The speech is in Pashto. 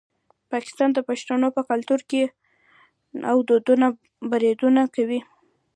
پاکستان د پښتنو په کلتور او دودونو بریدونه کوي.